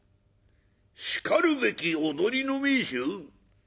しかるべき踊りの名手？